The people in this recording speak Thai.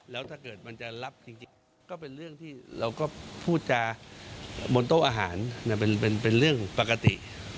แล้วถ้าเกิดมันจะรับจริงก็เป็นเรื่องที่เราก็พูดจาบนโต๊ะอาหารเป็นเรื่องปกติ